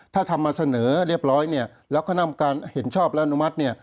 ถ้าทำมาเสนอเรียบร้อยเนี่ยแล้วคณะกรรมการเห็นชอบและอนุมัติเนี่ย